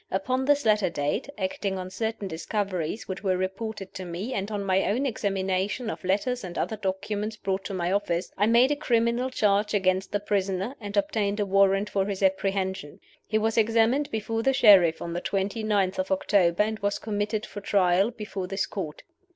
Upon this latter date acting on certain discoveries which were reported to me, and on my own examination of letters and other documents brought to my office I made a criminal charge against the prisoner, and obtained a warrant for his apprehension. He was examined before the Sheriff on the twenty ninth of October, and was committed for trial before this Court."